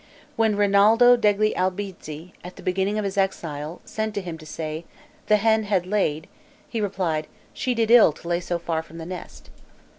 When Rinaldo degli Albizzi, at the beginning of his exile, sent to him to say, "the hen had laid," he replied, "she did ill to lay so far from the nest."